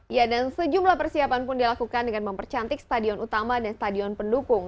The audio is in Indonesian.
ya dan sejumlah persiapan pun dilakukan dengan mempercantik stadion utama dan stadion pendukung